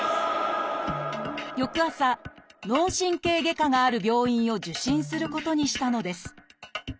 翌朝脳神経外科がある病院を受診することにしたのです。